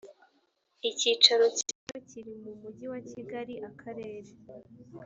icyicaro cyayo kiri mu mujyi wa kigali akarere